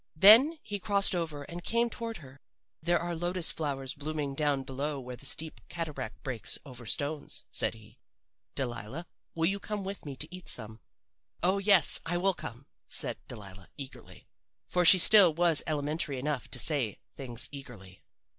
Then he crossed over and came toward her. "'There are lotus flowers blooming down below where the steep cataract breaks over stones,' said he. 'Delilah, will you come with me to eat some?' "'Oh, yes, I will come,' said Delilah, eagerly. "For she still was elementary enough to say things eagerly.